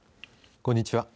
こんにちは。